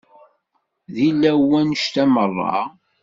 D ilaw wannect-a merra?